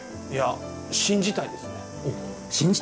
信じたいですね。